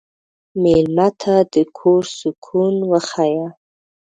مېلمه ته د کور سکون وښیه.